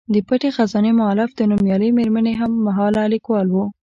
د پټې خزانې مولف د نومیالۍ میرمنې هم مهاله لیکوال و.